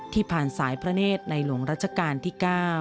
ผ่านสายพระเนธในหลวงรัชกาลที่๙